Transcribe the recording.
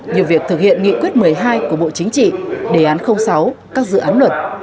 như việc thực hiện nghị quyết một mươi hai của bộ chính trị đề án sáu các dự án luật